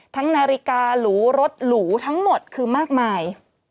นาฬิกาหรูรถหรูทั้งหมดคือมากมาย